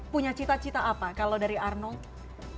punya cita cita apa kalau dari arnold